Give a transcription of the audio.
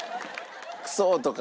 「クソー！」とか。